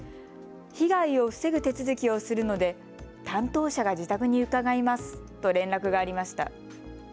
被害を防ぐ手続きをするので担当者が自宅に伺いますと連絡がありました。